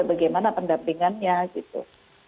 bagaimana pendampingannya gitu